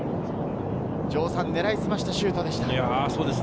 狙いすましたシュートでした。